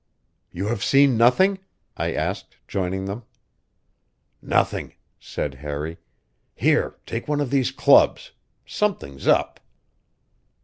"You have seen nothing?" I asked, joining them. "Nothing," said Harry. "Here, take one of these clubs. Something's up."